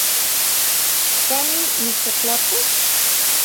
Canin nitlatlapos?